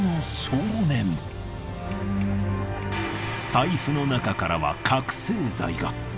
財布の中からは覚せい剤が。